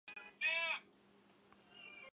山西老陈醋已经被列为中国地理标志产品。